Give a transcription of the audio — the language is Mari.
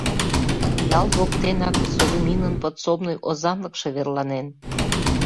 — Ял воктенак Совминын подсобный озанлыкше верланен.